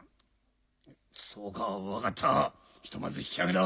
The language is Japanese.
そうか分かったひとまず引き揚げだ。